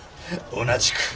同じく。